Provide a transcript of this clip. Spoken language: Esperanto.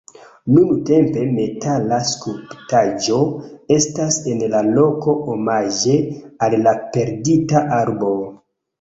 Nuntempe metala skulptaĵo estas en la loko omaĝe al la perdita arbo..